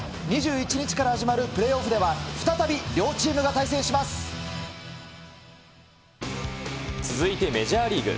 ２１日から始まるプレーオフでは、続いてメジャーリーグ。